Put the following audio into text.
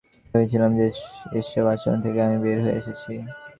ভেবেছিলাম যে এসব আচরণ থেকে আমি বের হয়ে এসেছি।